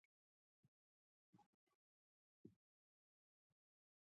آیا د کوچنیانو لپاره اختر ډیر خوندور نه وي؟